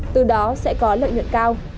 từ đó sẽ có lợi nhuận cao